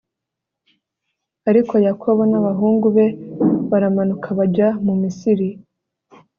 ariko yakobo n'abahungu be baramanuka bajya mu misiri